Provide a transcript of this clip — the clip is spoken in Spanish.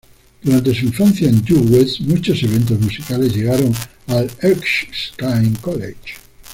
Durante su infancia en Due West, muchos eventos musicales llegaron al Erskine College.